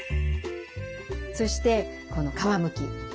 そしてこの皮むき。